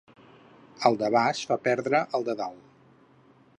El de baix fa perdre el de dalt.